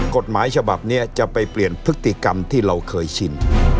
กฎหมายฉบับนี้จะไปเปลี่ยนพฤติกรรมที่เราเคยชิน